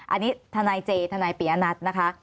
อันนี้ทนายเจทนายปียะนัทนะคะ